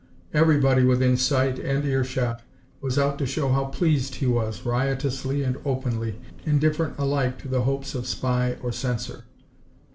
Everybody within sight and ear shot was out to show how pleased he was, riotously and openly, indifferent alike to the hopes of spy or censor.